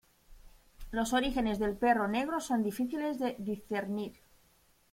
Los orígenes del perro negro son difíciles de discernir.